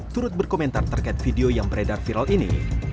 turut berkomentar terkait video yang beredar viral ini